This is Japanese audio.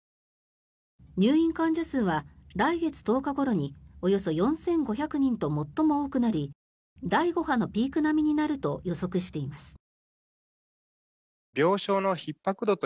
入院患者数は来月１０日ごろにおよそ４５００人と最も多くなり第５波のピーク並みになると予測しています。